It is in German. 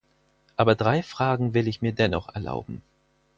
Aber drei Fragen will ich mir dennoch erlauben.